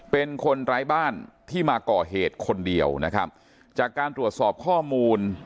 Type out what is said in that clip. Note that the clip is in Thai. เป็นคนร้ายบ้านที่มาก่อเหตุคนเดียวนะครับจากการตรวจสอบข้อมูล